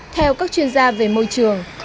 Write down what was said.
theo các chuyên gia về môi trường